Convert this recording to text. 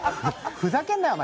ふざけんなよ、お前。